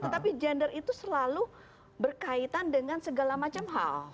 tetapi gender itu selalu berkaitan dengan segala macam hal